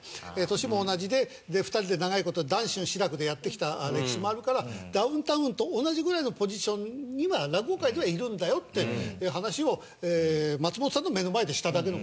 年も同じで２人で長い事談春・志らくでやってきた歴史もあるからダウンタウンと同じぐらいのポジションには落語界ではいるんだよっていう話を松本さんの目の前でしただけの事です。